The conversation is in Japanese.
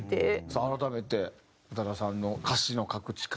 さあ改めて宇多田さんの歌詞の書く力。